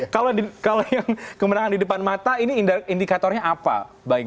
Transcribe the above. kalau yang kemenangan di depan mata ini indikatornya apa baik